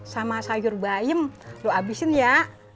sama sayur bayam lu abisin ya